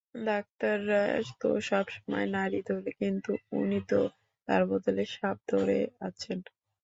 ডাক্তাররা তো সবসময় নাড়ি ধরে কিন্তু উনি তো তার বদলে সাপ ধরে আছেন।